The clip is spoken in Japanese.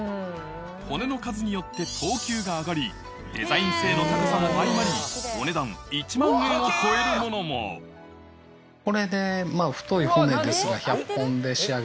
骨の数によって等級が上がりデザイン性の高さも相まりお値段１万円を超えるものもこれで。